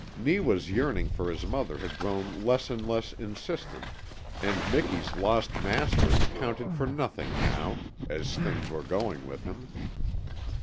Neewa's yearning for his mother had grown less and less insistent, and Miki's lost master counted for nothing now, as things were going with him.